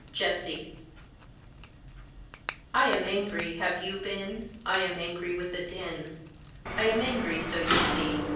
Jessie I am angry. Have you been. I am angry with a din. I am angry so you see.